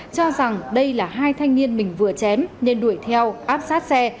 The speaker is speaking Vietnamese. cho rằng đây là hai thanh niên mình vừa chém nên đuổi theo áp sát xe